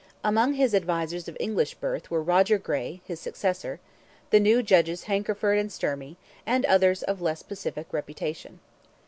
Among his advisers of English birth were Roger Grey, his successor; the new Judges Hankerford and Sturmey, and others of less pacific reputation.